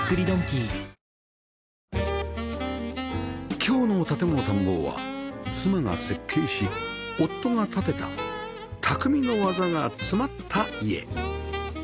今日の『建もの探訪は』妻が設計し夫が建てた匠の技が詰まった家